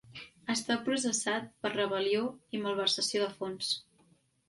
Està processat per rebel·lió i malversació de fons.